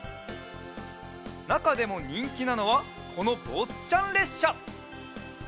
なかでもにんきなのはこのぼっちゃんれっしゃ！